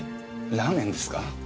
ラーメンですか？